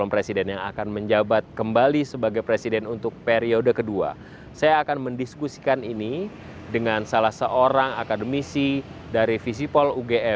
amerika akan berada pada puncak produksi shale oil